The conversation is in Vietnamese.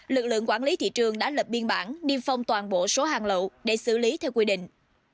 lực lượng quản lý thị trường đã lập biên bản niêm phong toàn bộ số hàng lậu để xử lý theo quy định